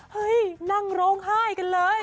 เฮ้ยนั่งร้องไห้กันเลย